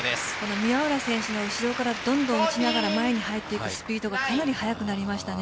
宮浦選手の後ろからどんどん打ちながら前に入っていくスピードかなり速くなりましたね。